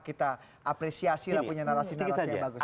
kita apresiasilah punya narasi narasi yang bagus